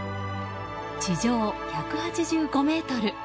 地上１８５ｍ。